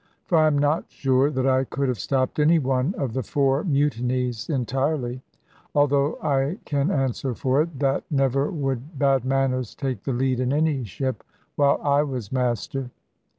For I am not sure that I could have stopped any one of the four mutinies entirely; although I can answer for it, that never would bad manners take the lead in any ship, while I was Master.